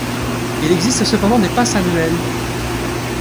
Il existe cependant des pass annuels.